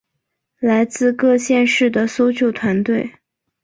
来自各县市的搜救团队